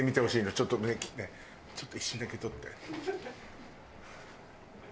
ちょっとねえ一瞬だけ取って。